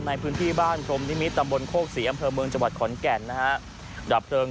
ในพื้นที่บ้าน